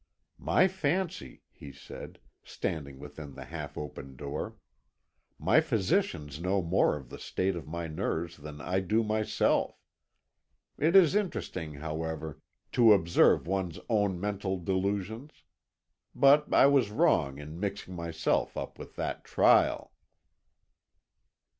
"My fancy," he said, standing within the half open door. "My physicians know more of the state of my nerves than I do myself. It is interesting, however, to observe one's own mental delusions. But I was wrong in mixing myself up with that trial."